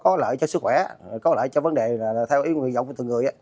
có lợi cho sức khỏe có lợi cho vấn đề theo ý dụng của từng người